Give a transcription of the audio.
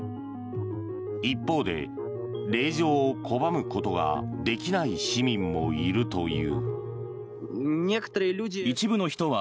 一方で、令状を拒むことができない市民もいるという。